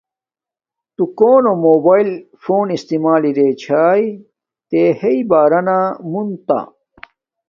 تو کونو موباݵل فون استعمال ارے چھایݵ تی ہییݵ بارانا مون تہ